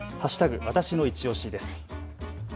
わたしのいちオシです。